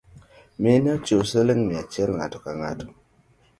Mine ochiu siling’ mia achiel ng’ato kang’ato